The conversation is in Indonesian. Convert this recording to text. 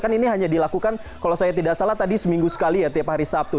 kan ini hanya dilakukan kalau saya tidak salah tadi seminggu sekali ya tiap hari sabtu